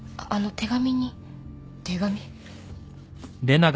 手紙？